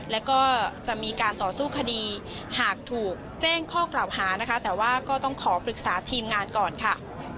แล้วก็จะมีการต่อสู้คดีหากถูกแจ้งข้อกล่าวหานะคะแต่ว่าก็ต้องขอปรึกษาทีมงานก่อนค่ะ